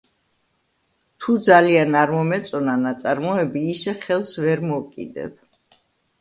თუ ძალიან არ მომეწონა ნაწარმოები, ისე ხელს ვერ მოვკიდებ.